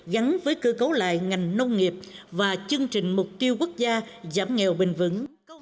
gắn với cơ cấu lại ngành nông nghiệp và chương trình mục tiêu quốc gia giảm nghèo bình vẩn